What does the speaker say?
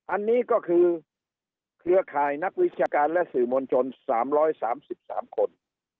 อันนี้ก็คือเครือข่ายนักวิชาการและสื่อมวลชน๓๓คน